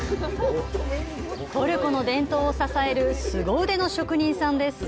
トルコの伝統を支える凄腕の職人さんです。